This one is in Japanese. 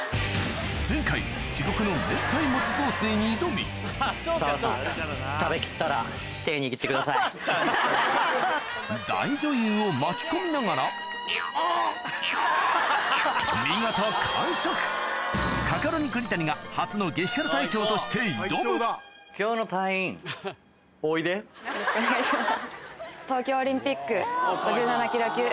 前回に挑み大女優を巻き込みながら見事カカロニ・栗谷が初の激辛隊長として挑むよろしくお願いします。